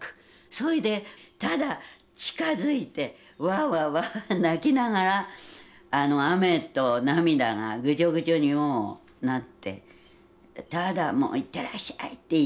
それでただ近づいてわあわあわあわあ泣きながらあの雨と涙がぐじょぐじょにもうなってただ行ってらっしゃいって言って送った。